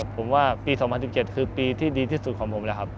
ผมว่าปี๒๐๑๗คือปีที่ดีที่สุดของผมแล้วครับ